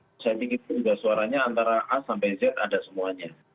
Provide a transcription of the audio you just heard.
itu setting itu juga suaranya antara a sampai z ada semuanya